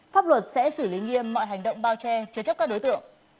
pháp luật sẽ xử lý nghiêm mọi hành động bao che chế chấp các đối tượng